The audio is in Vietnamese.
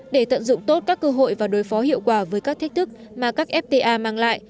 để tận dụng tốt các cơ hội và đối phó hiệu quả với các thách thức mà các fta mang lại